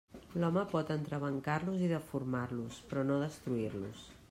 L'home pot entrebancar-los i deformar-los, però no destruir-los.